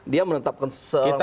dia menetapkan seorang tersangka